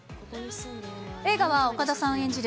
映画は岡田さん演じる